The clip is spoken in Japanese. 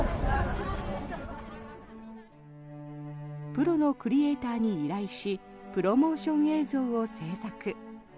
プロのクリエーターに依頼しプロモーション映像を制作。